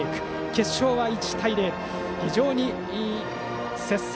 決勝は１対０と非常に接戦。